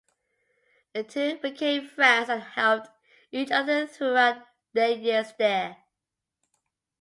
The two became friends and helped each other throughout their years there.